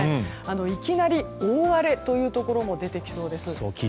いきなり大荒れというところも出てきそうです。